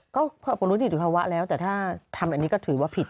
ก็ปรุณุสติทธิพระวะแล้วแต่ถ้าทำอันนี้ก็ถือว่าผิด